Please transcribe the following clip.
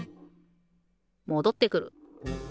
もどってくる。